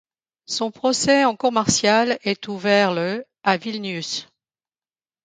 Son procès en cour martiale est ouvert le à Vilnius.